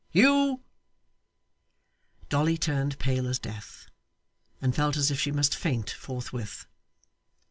Hugh!' Dolly turned pale as death, and felt as if she must faint forthwith.